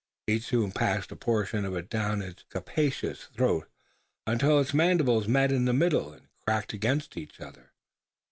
Each soon passed a portion of it down its capacious throat, until its mandibles met in the middle, and cracked against each other.